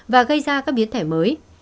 và gây ra các biến thể mới